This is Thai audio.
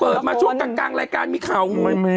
เปิดมาช่วงกันกลางรายการมีข่าวงู